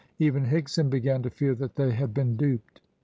Even Higson began to fear that they had been duped.